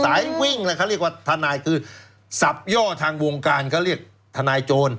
วิ่งเลยเขาเรียกว่าทนายคือสับย่อทางวงการเขาเรียกทนายโจร